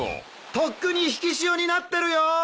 とっくに引き潮になってるよ！